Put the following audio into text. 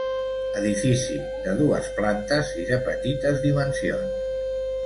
Edifici de dues plantes i de petites dimensions.